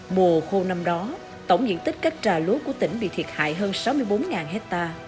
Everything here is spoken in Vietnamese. mùa khô năm đó tổng diện tích các trà lúa của tỉnh bị thiệt hại hơn sáu mươi bốn ha